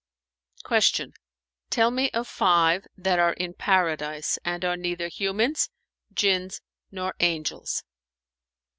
[FN#435]" Q "Tell me of five that are in Paradise and are neither humans, Jinns nor angels?"